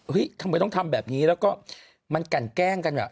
ทำไมต้องทำแบบนี้แล้วก็มันกันแกล้งกันว่ะ